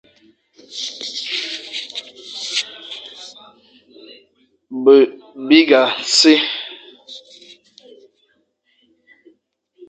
Be bîgha si,